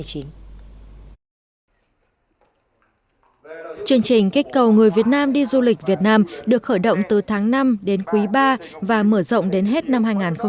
chương trình kích cầu người việt nam đi du lịch việt nam được khởi động từ tháng năm đến quý ba và mở rộng đến hết năm hai nghìn hai mươi